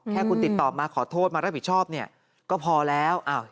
แค่คุณติดต่อมาขอโทษมารับผิดชอบเนี่ยก็พอแล้ว